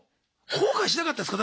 後悔しなかったですか？